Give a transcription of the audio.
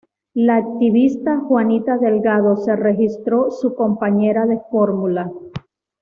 La activista Juanita Delgado se registró su compañera de fórmula.